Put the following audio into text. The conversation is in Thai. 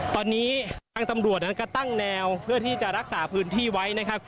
ตอนนี้ทางตำรวจนั้นก็ตั้งแนวเพื่อที่จะรักษาพื้นที่ไว้นะครับ